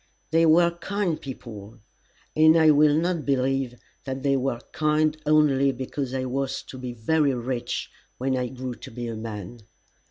They were kind people, and I will not believe that they were kind only because I was to be very rich when I grew to be a man.